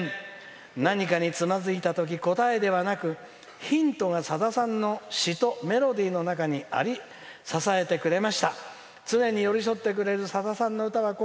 何かにつまずいたとき答えではなく、ヒントはさださんの詩とメロディーの中にあり支えてくれました。